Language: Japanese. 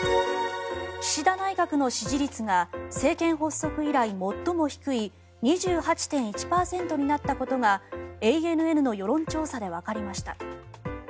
岸田内閣の支持率が政権発足以来最も低い２８．１％になったことがＡＮＮの世論調査でわかりました。